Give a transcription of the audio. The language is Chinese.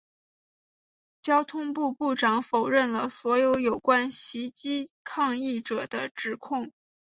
交通部部长否认了所有有关袭击抗议者的指控。